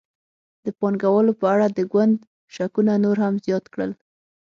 د پانګوالو په اړه د ګوند شکونه نور هم زیات کړل.